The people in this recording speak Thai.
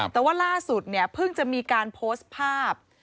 แต่ว่าล่าสุดเนี่ยเพิ่งจะมีการโพสต์ภาพ